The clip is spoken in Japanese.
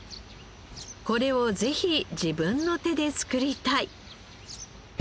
これをぜひ自分の手で作りたい！